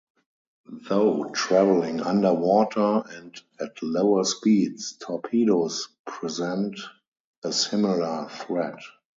Though traveling under water and at lower speeds, torpedoes present a similar threat.